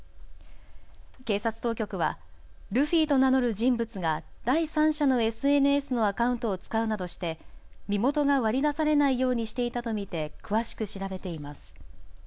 警察当局はルフィと名乗る人物が第三者のＳＮＳのアカウントを使うなどして身元が割り出されないようにしていたと見て詳しく調べています。